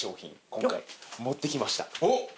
今回持ってきました。